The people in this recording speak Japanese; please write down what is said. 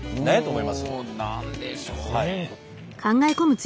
お何でしょうね。